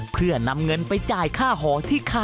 เพื่อนำเงินไปจ่ายค่าที่กรุงเทพมหานครครับ